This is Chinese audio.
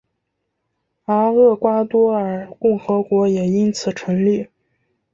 而厄瓜多尔共和国也因此成立。